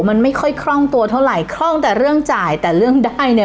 มันไม่ค่อยคล่องตัวเท่าไหร่คล่องแต่เรื่องจ่ายแต่เรื่องได้เนี่ย